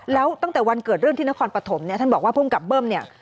แล้วตั้งแต่วันเกิดเรื่องที่นครปฐมเนี่ยท่านบอกว่าภูมิกับเบิ้มเนี่ย